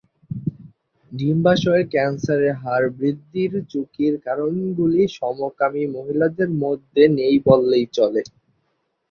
ডিম্বাশয়ের ক্যান্সারের হার বৃদ্ধির ঝুঁকির কারণগুলি সমকামী মহিলাদের মধ্যে নেই বললেই চলে।